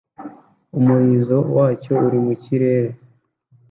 umurizo wacyo uri mu kirere